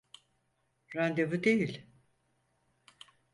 Randevu değil.